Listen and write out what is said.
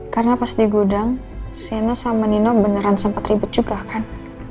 karena pas di gudang shaina sama nino beneran sempat ribet juga kan